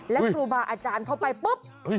และครูบาอาจารย์เข้าไปปุ๊บ